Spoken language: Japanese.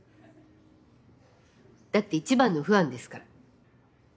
だって一番のファンですから。